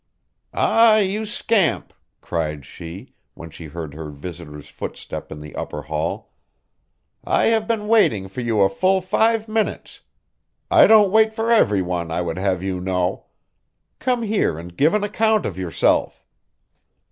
"Ah, you scamp!" cried she, when she heard her visitor's footstep in the upper hall, "I have been waiting for you a full five minutes. I don't wait for every one, I would have you know. Come here and give an account of yourself."